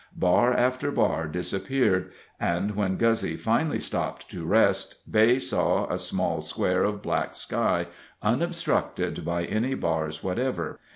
Bar after bar disappeared, and when Guzzy finally stopped to rest, Beigh saw a small square of black sky, unobstructed by any bars whatever.